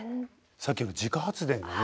さっきの自家発電がね